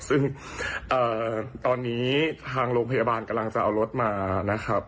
ซึ่งตอนนี้ทางโรงพยาบาลกำลังจะเอารถมานะครับ